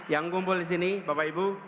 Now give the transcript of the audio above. yang kumpul disini bapak ibu